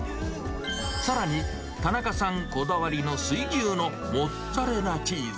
さらに田中さんこだわりの水牛のモッツァレラチーズ。